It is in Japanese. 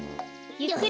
ゆっくり。